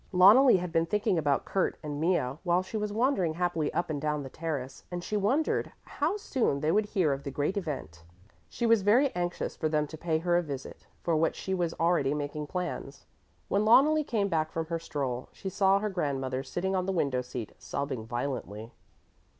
Loneli had been thinking about Kurt and Mea while she was wandering happily up and down the terrace, and she wondered how soon they would hear of the great event. She was very anxious for them to pay her a visit, for which she was already making plans. When Loneli came back from her stroll, she saw her grandmother sitting on the window seat, sobbing violently.